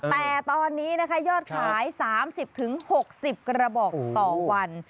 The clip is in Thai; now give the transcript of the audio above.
แต่ตอนนี้นะคะยอดขาย๓๐๖๐กระบอกต่อวัน